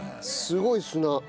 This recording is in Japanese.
すごい砂。